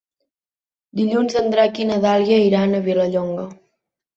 Dilluns en Drac i na Dàlia iran a Vilallonga.